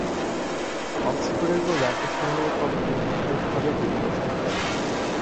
অক্সফোর্ডের পর ল্যাঙ্কাশায়ারের পক্ষে নিয়মিতভাবে দুই মৌসুম খেলেন।